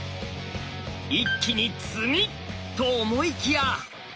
一気に詰み！と思いきや。